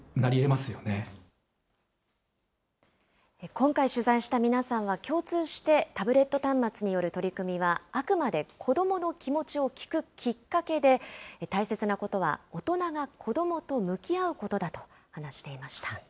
今回取材した皆さんは共通して、タブレット端末による取り組みは、あくまで子どもの気持ちを聞くきっかけで、大切なことは大人が子どもと向き合うことだと話していました。